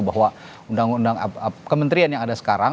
bahwa kementerian yang ada sekarang